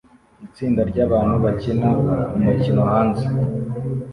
Itsinda ryabantu bakina umukino hanze